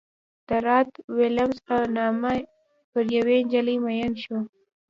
د رات ویلیمز په نامه پر یوې نجلۍ مین شو.